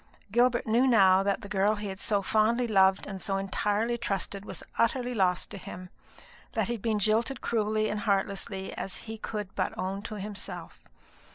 Gilbert knew now that the girl he had so fondly loved and so entirely trusted was utterly lost to him; that he had been jilted cruelly and heartlessly, as he could but own to himself.